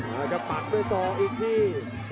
แล้วก็ปัดด้วยสองอีกที